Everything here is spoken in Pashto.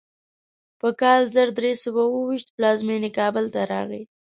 په کال زر درې سوه اوو ویشت پلازمینې کابل ته راغی.